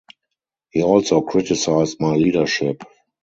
He also criticised my leadership.